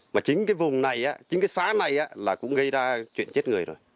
mà chính cái vùng này chính cái xã này là cũng gây ra chuyện chết người rồi